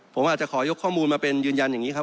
ผมอาจจะขอยกข้อมูลมาเป็นยืนยันอย่างนี้ครับ